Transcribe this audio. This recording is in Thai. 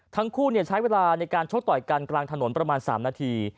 ทั้งคู่ใช้เวลาในการชกต่อยกันกลางถนนประมาณ๓นาที